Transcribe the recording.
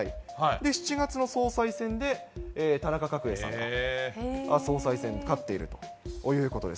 ７月の総裁選で田中角栄さんが総裁選勝っているということです。